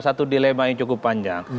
satu dilema yang cukup panjang